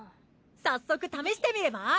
早速試してみれば？